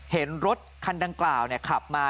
เห็นรถคันดังกล่าวขับมา